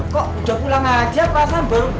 kok udah pulang aja pasang baru berangkat